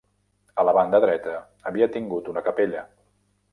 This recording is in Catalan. A la banda dreta havia tingut una capella.